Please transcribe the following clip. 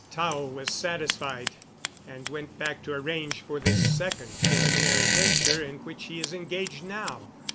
Tao was satisfied, and went back to arrange for this second preliminary venture in which he is engaged now."